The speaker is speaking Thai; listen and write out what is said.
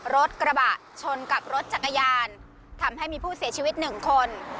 รถกระบะชนกับรถจักรยานทำให้มีผู้เสียชีวิตหนึ่งคน